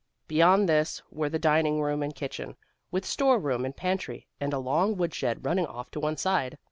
Beyond this were the dining room and kitchen, with store room and pantry, and a long woodshed running off to one side.